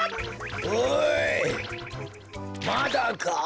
おいまだか？